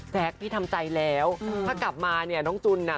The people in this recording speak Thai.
พี่ทำใจแล้วถ้ากลับมาเนี่ยน้องจุนน่ะ